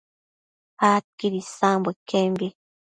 adquid isambo iquembi